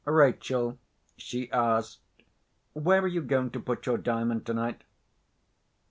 "Rachel," she asked, "where are you going to put your Diamond tonight?"